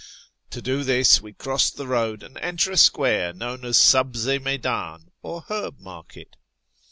To do this, we cross the road and enter a square known as the Sctbzd Mcyddn, or " Herb Market."